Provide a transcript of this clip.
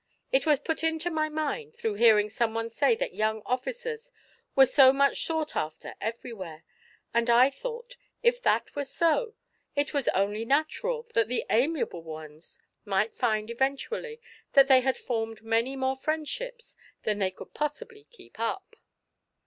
It was put into my mind through hearing someone say that young officers were so much sought after everywhere; and I thought, if that were so, it was only natural that the amiable ones might find, eventually, that they had formed many more friendships than they could possibly keep up."